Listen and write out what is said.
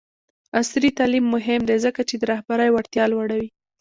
عصري تعلیم مهم دی ځکه چې د رهبرۍ وړتیا لوړوي.